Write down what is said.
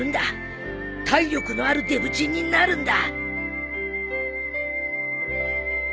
体力のあるデブちんになるんだ！